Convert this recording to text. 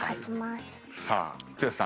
さあ剛さん。